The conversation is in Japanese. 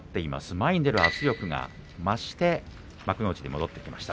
前に出る圧力が増して幕内に戻ってきました。